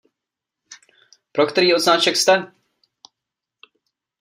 Pro který odznáček jste?